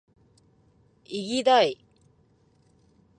いぎだい！！！！